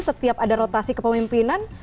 setiap ada rotasi kepemimpinan